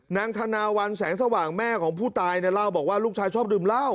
นางธนาวันแสงสว่างแม่ของผู้ตายเนี่ยเล่าบอกว่าลูกชายชอบดื่มเหล้า